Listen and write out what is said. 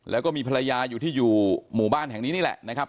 แล้วก็มีภรรยาอยู่ที่อยู่หมู่บ้านแห่งนี้นี่แหละนะครับ